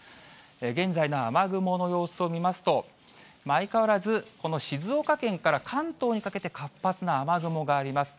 現在の雨雲の様子を見ますと、相変わらず、この静岡県から関東にかけて、活発な雨雲があります。